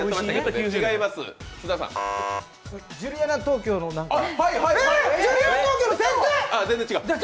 ジュリアナ東京のせんす？